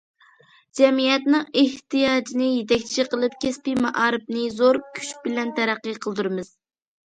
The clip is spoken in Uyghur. جەمئىيەتنىڭ ئېھتىياجىنى يېتەكچى قىلىپ، كەسپىي مائارىپنى زور كۈچ بىلەن تەرەققىي قىلدۇرىمىز.